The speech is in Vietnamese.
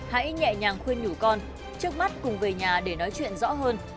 hãy nhẹ nhàng khuyên nhủ con trước mắt cùng về nhà để nói chuyện rõ hơn